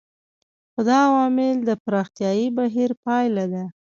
خو دا عوامل د پراختیايي بهیر پایله ده.